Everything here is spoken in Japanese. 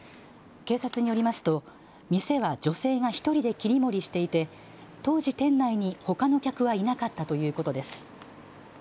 警察によりますと店は女性が１人で切り盛りしていて当時、店内にほかの客はいなかったということです。